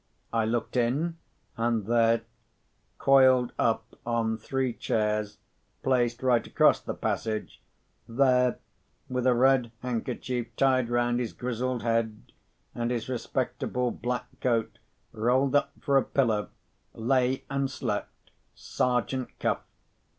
I looked in, and there, coiled up on three chairs placed right across the passage—there, with a red handkerchief tied round his grizzled head, and his respectable black coat rolled up for a pillow, lay and slept Sergeant Cuff!